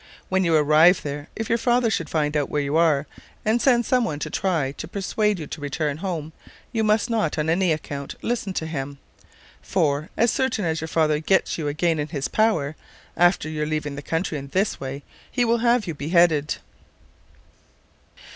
When you arrive there, if your father should find out where you are, and send some one to try to persuade you to return home, you must not, on any account, listen to him; for, as certain as your father gets you again in his power, after your leaving the country in this way, he will have you beheaded."